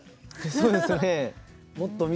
そうですね。